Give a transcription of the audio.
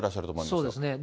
そうですね。